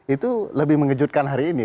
itu lebih mengejutkan hari ini